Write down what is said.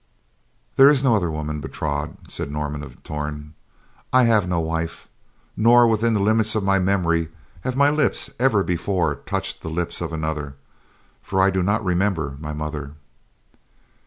"There is no other woman, Bertrade," said Norman of Torn. "I have no wife; nor within the limits of my memory have my lips ever before touched the lips of another, for I do not remember my mother."